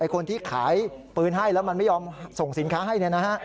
คนที่ขายปืนให้แล้วมันไม่ยอมส่งสินค้าให้